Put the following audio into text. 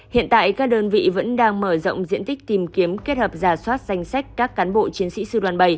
hiện tại các đơn vị vẫn đang mở rộng diện tích tìm kiếm kết hợp giả soát danh sách các cán bộ chiến sĩ sư đoàn bảy